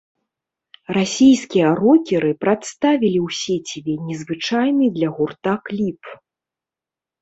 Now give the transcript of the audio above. Расійскія рокеры прадставілі ў сеціве незвычайны для гурта кліп.